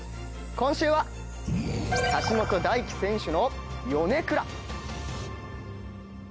今週は橋本大輝選手のヨネクラ。